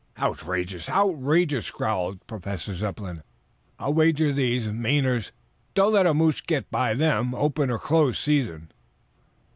"Outrageous! Outrageous!" growled Professor Zepplin. "I'll wager these Mainers don't let a moose get by them, open or closed season."